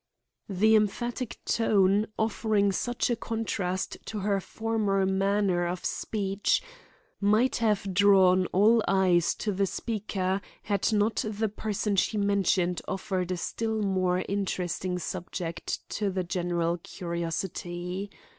The emphatic tone, offering such a contrast to her former manner of speech, might have drawn all eyes to the speaker had not the person she mentioned offered a still more interesting subject to the general curiosity.